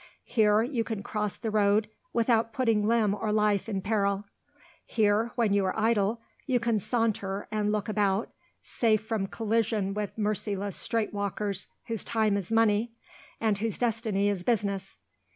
Here, you can cross the road, without putting limb or life in peril. Here, when you are idle, you can saunter and look about, safe from collision with merciless straight walkers whose time is money, and whose destiny is business.